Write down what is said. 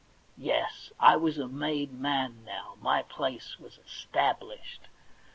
Yes, I was a made man, now : my place was established.